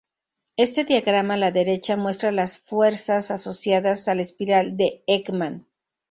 Este diagrama a la derecha muestra las fuerzas asociadas al espiral de Ekman.